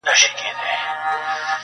د پردیو په کوڅه کي ارمانونه ښخومه؛